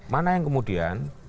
mana yang kemudian